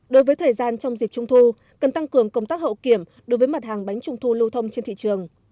đối với thời gian trong dịp trung thu cần tăng cường công tác hậu kiểm đối với mặt hàng bánh trung thu lưu thông trên thị trường